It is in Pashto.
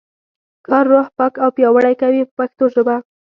کار روح پاک او پیاوړی کوي په پښتو ژبه.